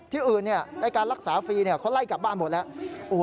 ที่อื่นในการรักษาฟรีเขาไล่กลับบ้านหมดแล้ว